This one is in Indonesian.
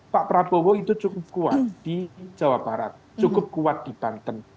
pak prabowo itu cukup kuat di jawa barat cukup kuat di banten